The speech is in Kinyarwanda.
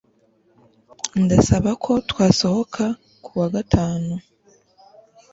Ndasaba ko twasohoka kuwa gatanu